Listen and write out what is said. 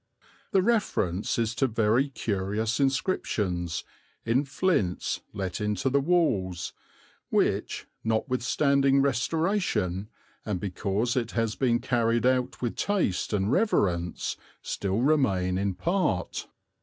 The reference is to very curious inscriptions, in flints let into the walls, which, notwithstanding restoration and because it has been carried out with taste and reverence, still remain in part.